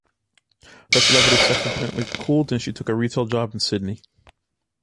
Her celebrity subsequently cooled and she took a retail job in Sydney.